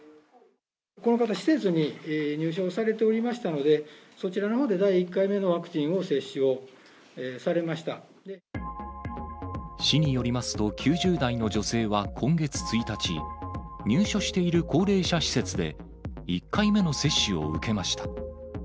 この方、施設に入所されておりましたので、そちらのほうで第１回目のワクチンを接種をされま市によりますと、９０代の女性は今月１日、入所している高齢者施設で、１回目の接種を受けました。